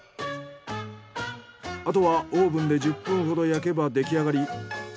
あとはオーブンで１０分ほど焼けばできあがり。